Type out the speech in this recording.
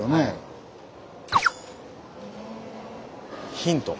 ヒント。